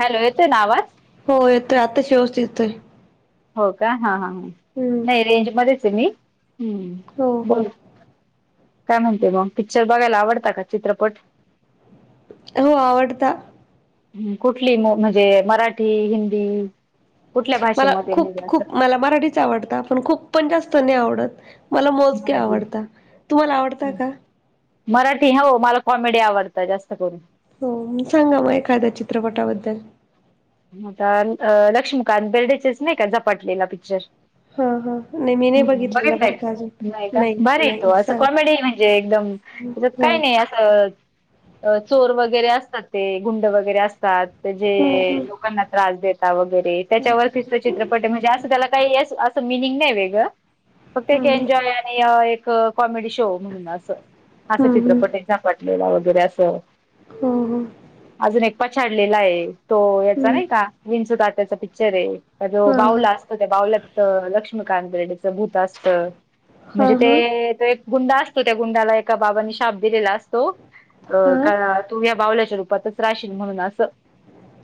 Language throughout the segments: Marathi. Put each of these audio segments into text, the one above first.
हॅलो येतोय ना आवाज. हो येतोय, आताच व्यवस्थित येतोय. हो का हा हा,, हम्म नाही रेंजमध्येच आहे मी, हो हो बोल. काय म्हणते मग, पिक्चर बघायला आवडता का चित्रपट? हो आवडता. ह् कुठली, म्हणजे मराठी, हिंदी, कुठल्या मला भाषेमध्ये खूप म्हणजे असं खूप मला मराठी आवडता, पण खूप पण जास्त नाही आवडत, मला मोजके मराठी आवडत, तुम्हाला आवडता का? मराठी हो,, मला कॉमेडी आवडतं जास्त करून. हो, सांगा मग एखाद्या चित्रपटाबद्दल. आता लक्ष्मीकांत बेर्डेचेच नाही का, झपाटलेला पिक्चर. हा हा नाही मी नाही हम्म, बघितलेला बरं बघितलंय का, अजून नाही का, भारी आहेेतो नाही असं सांग कॉमेडी म्हणजे एकदम त्याच्यात हा काय नाही अस अं चोर वगैरे असतात, गुंड वगैरे असतात जे हम्म त्यांना त्रास देता वगैरे, त्याच्यावरती चित्रपटात आहे म्हणजे अस त्याला काही मिनींग नाही ये वेगळं, फक्त एक हम्म एन्जॉय एक कॉमेडी शो म्हणून असं, हम्म असं हम्म हम्म चित्रपट झपटलेला वगैरे असं हो हो. अजून एक पछाडलेला आहे, तो याचा हम्म नाही का, विंचू तात्याचा पिक्चर आहे. ते एक असे हा भावलं असतं, त्या भावल्यामध्ये लक्ष्मीकांत बेर्डे च भूत असतं. हा म्हणजे हा ते, तो एक गुंडा असतो त्या गुंडाला एका बाबांनी शाप दिलेला असतो, अं हा का तू या बावल्याच्या रूपातच राहशील म्हणून असं.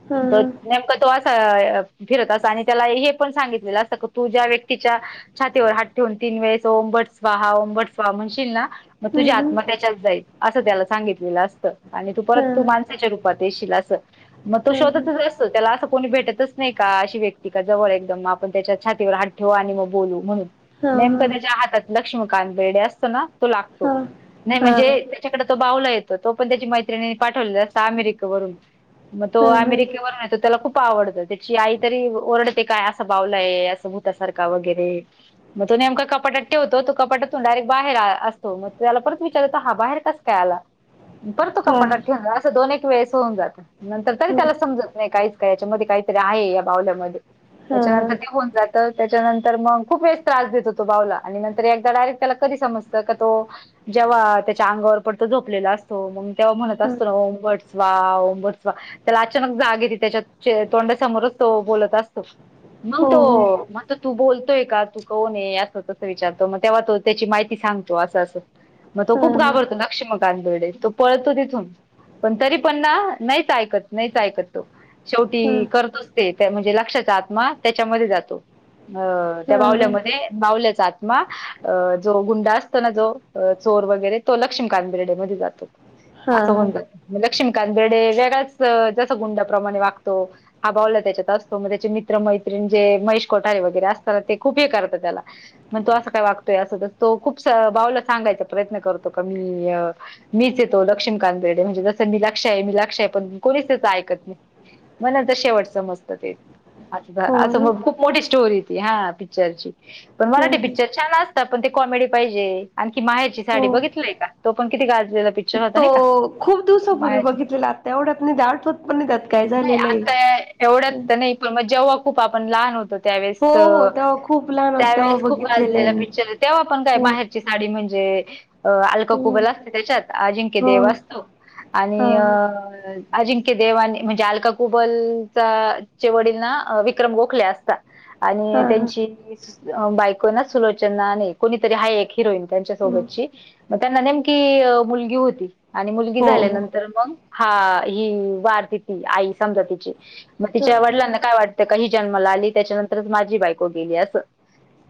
हा हा. नेमकं तो असं, फिरत अस आणि त्याला हे पण सांगितलेल असंत तु ज्या व्यक्तीच्या छातीवर हात ठेवून तीन वेळेस ओम बट स्वा हा ओम बट स्वा म्हणशील ना, मग तुझी हा आत्मा हा त्याच्यात जाईल, असं त्याला सांगितलेलं असतं, आणि तू परत तू माणसाच्या रूप पात येशील असं,, मग तो हा हा शोधत त्याला असं कोणी भेटतच नाही का अशी व्यक्ती का जवळ एकदम आपण त्याच्या छातीवर हात ठेवू आणि मग बोलू म्हणून, हा नेमकं हा त्याच्या हातात लक्ष्मीकांत बेर्डे असतो ना, तो हा लागतो. नाही हा म्हनजे हा त्याच्याकडे तो भावला येतो, तो पण त्याच्या मैत्रिणीनी पाठवलेला असतो अमेरिकेहून. मग तो हा अमेरिकेवरनं तर त्याला खूप आवडतं, त्याची आई तरी ओरडते, काय असं भावलाय असा भूतासारखा वगैरे मग तो नेमका कपाटात ठेवतो, तो कपाटातून डायरेक्ट बाहेर येतो, मग त्याला परत विचारतो हा बाहेर कस काय आला? परतो हा हा कपाटात ठेवून ज असं दोन एक वेळेस होऊन जातं, नंतर तरी हो त्याला समज नाही काहीच का याच्यामध्ये काहीतरी आहे या भावल्यामध्ये, हा हा त्याच्यानंतर देऊन जात तर त्याच्यानंतर मग खूप वेळेस त्रास देतो तो भावला, आणि नंतर एकदा डायरेक्ट त्याला कधी समजत का तो जेव्हा त्याच्या अंगावर पडतो झोपलेलं असत मग तेव्हा म्हणत हा असतो, ना ओम भट स्वाहा ओम भट स्वाहा, त्याला अचानक जाग येत त्याच्या तोंडा समोरच तो बोलत असतो, मग हो हो तो तर तू बोलतोय का, तू कोण आहे असं तसं विचारतो, मग तेव्हा तो त्याची माहिती सांगतो असं असं. मग तो हा खूप हा घाबरतो ना लक्ष्मीकांत बेर्डे तो पळतो तिथून पण तरी पण नाहीच ऐकत नाहीच ऐकत. तो हा हा शेवटी करतोच ते म्हणजे लक्ष्याचा आत्मा त्याच्यामध्ये जातो. अ त्या हा हा भावल्यामध्ये भावल्याचा आ- -त्मा जो गुंडा असतो ना जो चोर वगैरे तो लक्ष्मीकांत बेर्डे मध्ये जातो. असं हा होऊन जातं. लक्ष्मीकांत बेर्डे वेगळ्याच जस गुंडाप्रमाणे वागतो हा भावला त्याच्यात असतो मग त्याचे मित्र मैत्रीणी जे महेश कोठारे वगैरे असतात ना ते खूप हे करतात त्याला मग तो असं काय वागतोय असं तो खूप भावला सांगायचा प्रयत्न करतो का मी मीच आहे तो लक्ष्मीकांत बेर्डे म्हणजे जसं मी लक्ष्या आहे मी लक्ष्या आहे पण कोणीच तेच ऐकत नाही मग नंतर ते शेवट समजत ते हो अस ना मग खूप मोठी स्टोरी ती हा पिक्चरची पण हा मराठी ह पिक्चर छान असतात पण ते कॉमेडी पाहिजे आणखी माहेरची साडी हो बघितलाय का तो पण किती गाजलेला पिक्चर होता तो नाही का खूप दिवसापूर्वी बाळाचीच बघितलेला आता एवढ्यात निट आठवत पण नाही त्यात काय नाही झालेलं आहे आता एवढ्यात हं. तर नाही पण मग जेव्हा खूप आपण लहान होतो हो त्यावेळेसच हो तेव्हा खूप लहान होत तेव्हा त्यावेळेस खूप बघितलेलं आहे गाजलेला मी पिक्चर तेव्हा आपण काय हो माहेर- -ची साडी म्हणजे अ अलका हं. कुबल असते त्याच्यात अजिंक्य हो देव असतो हा आणि अ अजिं- -क्य देव आणि म्हणजे अलका कुबल चा चे वडील ना विक्रम गोखले असतात. हा हा आणि त्यांची बायको ना सुलोचना नाही कोणीतरी आहे एक हिरोईन. त्यांच्या हा सोबतची मग त्यांना नेमकी मुलगी होती आणि मुलगी हो हो झाल्यानंतर मग हा ही वारते ती आई समजा तिची मग हां तिच्या हां वडिलांना काय वाट- -त का ही जन्माला आली त्याच्यानंतरच माझी बायको गेली असं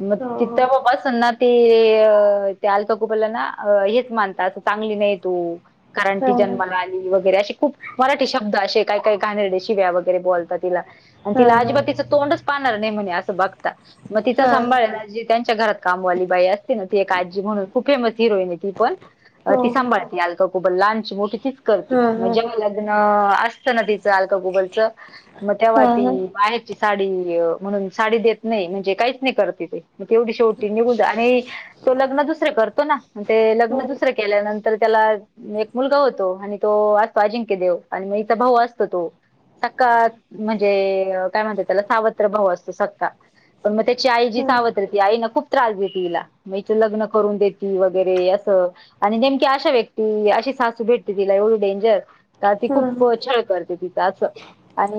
मग हो हो तिथं बाबा सन्नाद ते ते अलका कुबलला ना हेच मानतात चांगली नाही तू कारण हा ती जन्माला आली वगैरे अशी खूप मराठी शब्द असे काय काय घाणेरड्या शिव्या वगैरे बोलतात तिला आणि हा तिला हा आजिबात तीच तोंडच पाहणार नाही म्हणे असे बघतात मग तिचा हा सांभाळणारी आजी त्यांच्या घरात कामवाली बाई असते ना ती एक आजी म्हणून खूप फेमस हिरोईन आहे ती पण अ हो ती सांभाळते अलका कुबलला लहानची मोठी तीच करते हा मग हा जेव्हा लग्न अस- -त ना तिचं अलका कुबलच मग हा तेव्हा ती हा माहेर साडी म्हणून साडी देत नाही म्हणजे काहीच नाही करत ते तेवढी शेवटी निघून आणि तो लग्न दुसरं करतो ना ते हो लग्न दुसरे केल्यानंतर त्याला एक मुलगा होतो आणि तो असतो अजिंक्य देव आणि मग हिचा भाऊ असतो तो सख्खा म्हणजे काय म्हणतात त्याला सावत्र भाऊ असतो सख्खा पण मग त्याची आई जी हा सावत्र ती आई ना खूप त्रास देते तिला मग हिच लग्न करून देती वगैरे असं आणि नेमकी अशा व्यक्ती अशी सासू भेटते तिला एवढी डेंजर का ती हा खूप छळ करते तिचां असं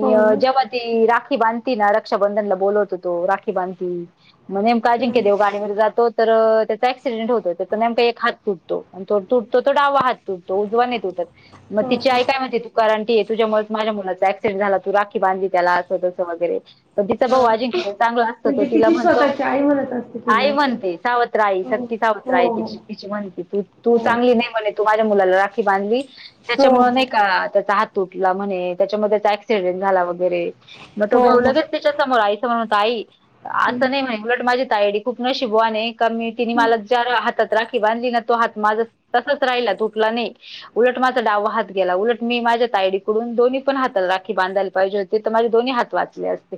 हो ना जेव्हा ती राखी बांधती ना रक्षाबंधनला बोलवतो तो राखी बांधती म नेमक अजिंक्य देव हा गाडीवरन जातो तर त्याचा ऍक्सिडेंट होतो त्याचा नेमका एक हात तुटतो. तुटतो तो डावा हात तुटतो उजवा नाही तुटत मग ती तू कांरटी आहेस तुझ्यामुळेच माझ्या मुलाचा ऍक्सिडेंट झाला तू राखी बांधली त्याला असं तसं वगैरे तिचा भाऊ हा अजिंक्य चांगला असतो तो म्हणजे तिला तिची म्हणतो स्वतःची आई म्हणत असते आई तिला असं म्हणते सावत्र आई हो सख्खी सावत्र आई हो तिची म्हणती तू तू हो हो चांगली नाही म्हणे तू माझ्या मुलाला राखी बांधली त्याच्यामुळे नाही का त्याचा हात तुटला म्हणे त्याच्यामध्ये एक्सिडेंट झाला वगैरे मग हो तो हो भाऊ हो लगेच त्याच्या समोर आई समोर म्हणतो आई. असं नाही हो म्हणे उलट माझी ताईडी खूप नशिबवान आहे का मी तिने मला ज्या हातात राखी. बांधली ना तो हात माझा तसाच राहिला तुटला नाही उलट माझ. डावा हात गेला उलट मी माझ्या तायडीकडून दोन्ही पण हाता राखी बांधायला पाहिजे होती तर माझे दोन्ही हात वाचले असते.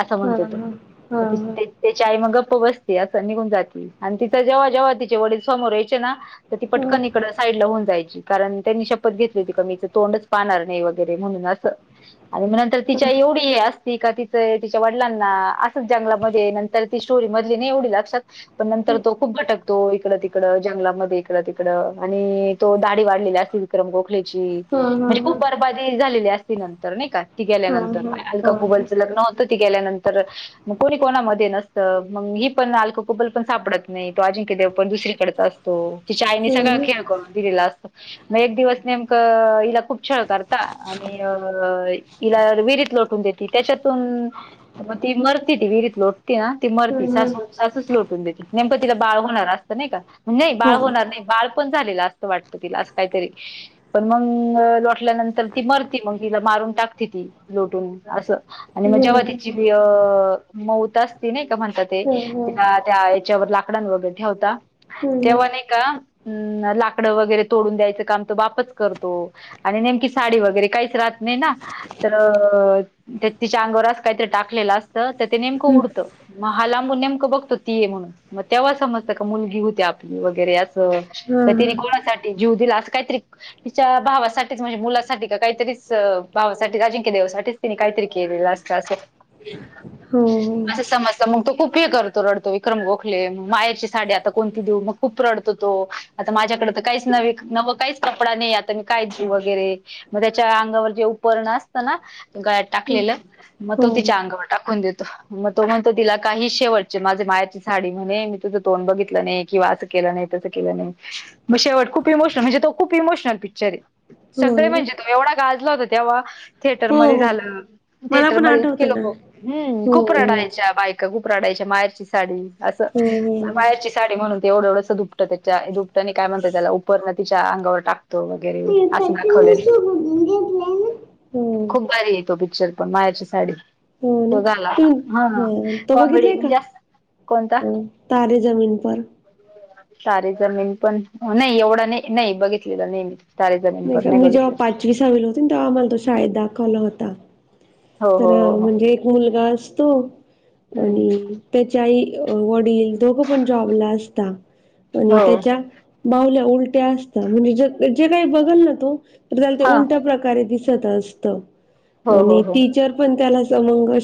असं हा म्हणतो हा तो. हा हा हा त्याची आई मग गप्प बसते असं निघून जाते आणि तिचा जेव्हा जेव्हा तिचे वडील समोर यायचे ना ती हा हा पटकन इकडं साईड ला होऊन जायची कारण त्यांनी शब्द शपथ घेतली होती कि मी हिच तोंडच पाहणार नाही वगैरे म्हणून अस आणि नंतर तिच्या एवढी ती का तिचं तिच्या वडिलांना, असंच जंगलामध्ये, नंतर ती स्टोरी मधली नाही एवढी लक्षात, पन णंतर तो खूप भटक. तो इकड तिकड, जंगलामध्ये इकडं तिकड आणि तो दाडी वाढलेली. विक्रम गोखलेची, म्हणजे खूप बार बादी झालेली असती नंतर, नाही का. ती गेल्यानंतर अलका कुबलचं लग्न होतं ती गेल्यानंतर मग कोणी कोणामध्ये नसतं, मग ही पण अलका कुबल पण सापडत नाही, तो अजिंक्य देव पण दुसरीकडं च. असतो, तिच्या हा हा हा हा आईनी सगळा हम्म खेळ करून दिलेला असतो. मग एक दिवस नेमकं हिला खूप छळ करता, आणि अ हिला विहिरीत लोटून देत. त्याच्यातून, मग ती मरती ती विहिरीत लोट. त ना, ती मरती हम्म सासू, सासूच लोटून देते, नेमकं तिला बाळ होणार असतं नाही का. नाही, बाळ हो होणार नाही, बाळ पण झालेला असतं वाटत तिला, असं काहीतरी. पण मग लोटल्यानंतर ती मरती मग, तिला मारून टाकते ती लोटून, असं, आणि मग हो जेव्हा हो तिची अऽ मौत असते नाही का, म्हणतात तेऽ हो त्या याच्यावर लाकडांवर वगैरे ठेवता, हम्म तेव्हा नाही का, अंऽलाकड वगैरे. तोडून द्यायचं काम तो बापच करतो, आणि नेमकी साडी वगैरे काहीच राहत नाही ना, तर, तिच्या अंगावर आसं काहीतरी टाकलेलं असतं, तर ते नेमकं हम्म उडतं, मग हा लांबून नेमकं बघतो ती ये म्हणून, मग तेव्हा समजतं का मुलगी होती आपली, वगैरे अस. हा तर तिने कोणासाठी जीव दिला असं काहीतरीऽ तिच्या भावासाठीच म्हणजे मुलासाठी का काहीतरीच, भावासाठी अजिंक्य देेवासाठीच, तिने काहीतिरी केलेलं असतं, आसं, हो, असं समजत, मग तो खूप हे करतो, रडतो, विक्रम गोखले, मग मायरची साडी आता कोणती देऊ मग, खूप रडतो तो, आता माझ्याकड तर काहीच नवे नवं काहीच कपडा नाही, आता मी काय घेऊ वगैरे, मग त्याच्या अंगावर जे उपरण असतं ना, गळ्यात टाकलेलं. मग तो हो तिच्या हो अंगावर टाकून देतो. मग तो म्हणतो तिला, काही शेवटचे माझे मायेरची साडी म्हणे, मी तुझं तोंड बघितलं नाही, किंवा असंऽ केलं नाही, तस केलं नाही. म्ह शेवट खूप इमोशनल, म्हणजे तो खूप इमोशनल पिक्चर आहे, हो सगळे ना म्हणजेऽ एवढा गाजला होता तेव्हाऽ थिएटर हो मध्ये हो झालेलं, मला पण थिएटरमध्ये इतके आठवतं ना लोकं, हम्म, हो खूप हो रडायच्या बाईकाऽ का खुप रडायच्या, माहेरची साडी अस, हो मायेरचीऽ साडी म्हणून ते एवढं एवढंस दुपतं त्याच्या, दुपटं आणि काय म्हणतात त्याला, उपर न तिच्या अंगावर टाकऽ तो वगैरे, हो. असं दाखवले, हो खूप भारी आहे तो पिक्चर. पण मायेरची साडी. हो ना, तो झाला तू हा ह, तो कॉमेडी बघितलाय म्हणजे का? असं कोणता? अ तारे जमीन पर. तारे जमीन पर,,, नाही, एवढा नाही नाही बघितलेला नाही मी. तारे जमीन नाही पण का, मी जेव्हा बघितलेला. पाचवी सावीला होते, न तेव्हा आम्हाला तो शाळेत दाखवला होता. हो हो तर, हो हो म्हणजे एक मुलगा असतो, हम्म आणि त्याच्या आई वडील. दोघं पण जॉबला असतात, हो आणि त्यांच्या- बाऊल्या उलट्या असता म्हणजे ज जे काही बघल ना तो, तर त्याला ते हा उलट्या प्रकारे दिसत. दिसतं असत, हो हो आणि- हो टिचर पण त्याला,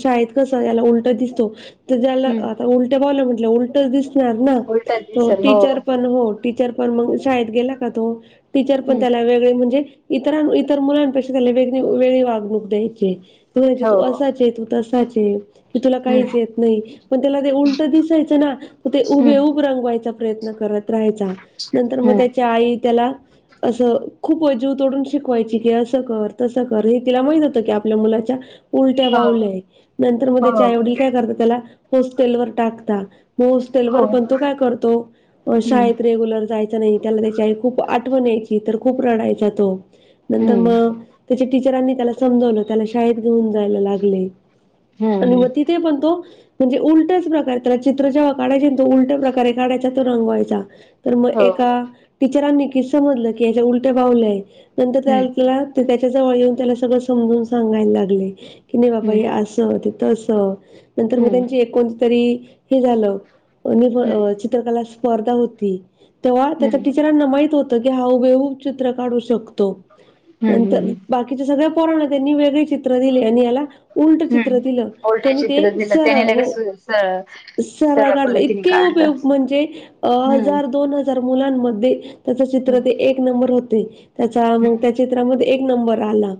शाळेत कस याला उलटं दिसतो, तर हम्म त्याला- उलट्या बावल्या म्हटलं उलटच दिसणार ना, उलटच तो दिसेल हो टीचर पण हो. टीचर पण मग शाळेत गेला का तो, टीचर पण हम्म त्याला वेगळे म्हणजेऽ इतरां, इतर मुलांपेक्षा त्याला वेग वेगळी वागणूक द्यायचे. म्हणायचे तू हो हो असाचचे तू तसाचचे. की तुला हम्म काहीच येत नाही, पण त्याला ते उलट दिसायचं ना तो ते हुबेहुब रंगवायचा. प्रयत्न करत राहायचा नंतर मग हम्म त्याच्या आई त्याला- असं खूप जीव तोडून शिकवायची की, असं कर तसं कर हे तिला माहित होतं की आपल्या मुलांना. उलट्या हम्म बावल्याये नंतर मग हो त्याचे हो आई वडील काय करता त्याला होस्टेलवर टाकता. म होस्टेल हो वर पण तो काय करतो अ हम्म शाळेत रेग्युलर जाय- चा नाही त्याला त्याची आई खूप आठवण यायची. तर खूप रडायचा तो नंतर हम्म मग, त्याच्या टीचरांनी त्याला समजवलं त्याला शाळेत घेऊन जायला लागले हम्म आणि म हम्म ती, ते बनतो, म्हणजे उलट्याच प्रकारे, त्याला चित्र जेव्हा काढायचे ना तो उलट्या प्रकारे काढायचा, तो रंगवायचा. तर मग हो एका टीचरां नी की समजलं, की याच्या उलट्या बावल्याय, नंतर हम्म त्या त्यालाऽ त्याच्या जवळ येऊन त्याला सगळं समजून सांगायला लागले, की नाही बाबा हम्म हे असं- त तिथ असं नंतर मग हम्म त्यांची एक कोणती तरी हे झालं. हम्म [unintelligible] चित्रकला स्पर्धा होती, तेव्हा त्याच्या हम्म टीचरांना माहित होत - त की हा हुबेहुब चित्र काढू शकतो. हम्म नंतर हम्म बाकी, सगळ्या पोरांना त्यांनी वेगळे चित्र दिले. आणि याला- उलट चित्र हम्म दिलं उलट त्यांनी ते चित्र दिलं सरळ त्याने लगेच हो, सु- सरळ सरळ काढलं, पद्धतीने इतके काढलं हुबेहुब म्हणजे अ हम्म हजार दोन हजार - तर मुलांमध्ये त्याच चित्र हम्म ते एक नंबर होते. त्याचा मंग हम्म त्यांचे- चित्रामध्ये एक नंबर आला.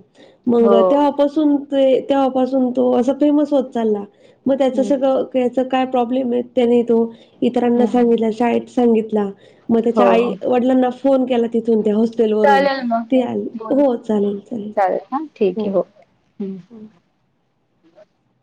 मंग हो तेव्हा पा- सुन ते तेव्हापासुन तो अस फेमस होत चालला. मग त्याच हम्म सगळं- त्यांचं काय प्रॉब्लेम आहे, त्याने तो इतरांना हम्म सांगितला शाळेत सांगितला. मग त्याच्या आई हो वडिलांना फोन केला तिथून त्या हॉस- चल वरून चालेल मग ते आले बोलू हो चालेल, चालेल हो. हम्म. ह.